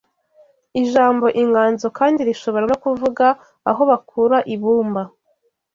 Ijambo inganzo kandi rishobora no kuvuga aho bakura ibumba